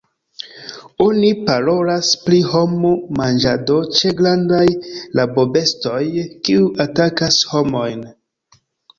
Oni parolas pri hom-manĝado ĉe grandaj rabobestoj, kiuj atakas homojn.